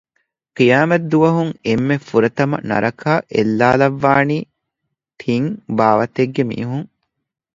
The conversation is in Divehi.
ޤިޔާމަތްދުވަހުން އެންމެ ފުރަތަމަ ނަރަކައަށް އެއްލައިލައްވާނީ ތިން ބާވަތެއްގެ މީހުން